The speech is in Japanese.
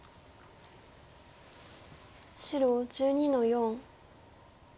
白１２の四。